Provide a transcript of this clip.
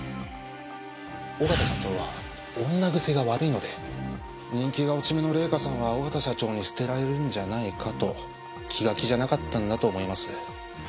小形社長は女癖が悪いので人気が落ち目の礼香さんは小形社長に捨てられるんじゃないかと気が気じゃなかったんだと思います。